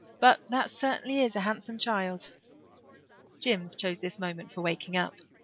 But that certainly is a handsome child." Jims chose this moment for waking up.